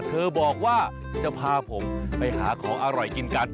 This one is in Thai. เธอบอกว่าจะพาผมไปหาของอร่อยกินกัน